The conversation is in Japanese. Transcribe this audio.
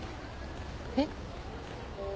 えっ？